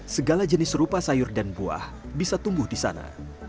segala jenis serupa sayur dan buah bisa tumbuh di sana